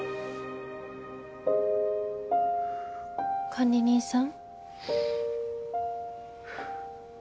管理人さん？